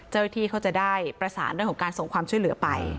เจ้าหน้าที่เขาจะได้ประสานเรื่องของการส่งความช่วยเหลือไป